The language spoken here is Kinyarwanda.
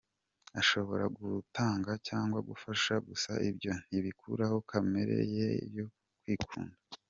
Ashobora gutanga cyangwa gufasha gusa ibyo ntibikuraho kamere ye yo kwikunda.